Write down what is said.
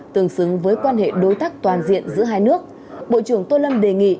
tương xứng với quan hệ đối tác toàn diện giữa hai nước bộ trưởng tô lâm đề nghị